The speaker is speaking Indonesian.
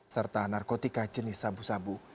serta narkotika jenis sabu sabu